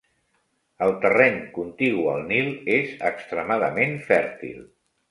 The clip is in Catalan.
El terreny contigu al Nil és extremadament fèrtil